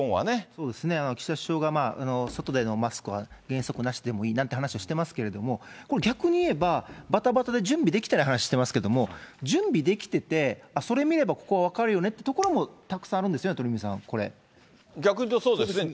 そうですね、岸田首相が、外でのマスクはしなくてもいいなんて話をしていますけれども、これ、逆に言えばばたばたで準備できてない話ししてますけど、準備できてて、それ見れば、ここは分かるよねというところもたくさんある逆に言うとそうですね。